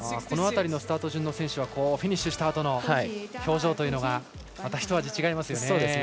この辺りのスタート順の選手はフィニッシュしたあとの表情というのが一味違いますね。